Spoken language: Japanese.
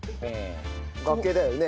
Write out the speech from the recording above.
崖だよね？